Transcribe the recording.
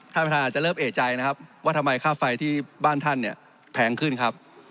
ท่านประธานอาจจะเริ่มเอกใจนะครับว่าทำไมค่าไฟที่บ้านท่านเนี่ยแพงขึ้นครับ